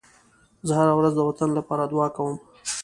زه هره ورځ د وطن لپاره دعا کوم.